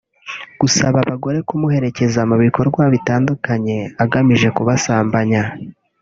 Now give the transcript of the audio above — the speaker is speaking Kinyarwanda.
gusaba abagore kumuherekeza mu bikorwa bitandukanye agamije kubasambanya